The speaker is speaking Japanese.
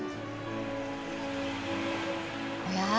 おや？